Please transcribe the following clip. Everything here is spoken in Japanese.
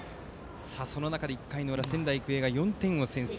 その中で１回裏、仙台育英が４点先制。